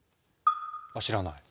あ知らない。